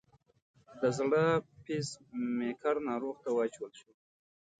د زړه پیس میکر ناروغ ته واچول شو.